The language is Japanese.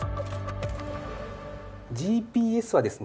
ＧＰＳはですね